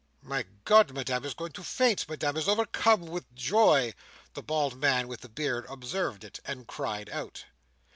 "My God! Madame is going to faint. Madame is overcome with joy!" The bald man with the beard observed it, and cried out.